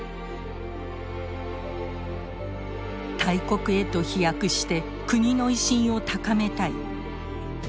大国へと飛躍して国の威信を高めたい。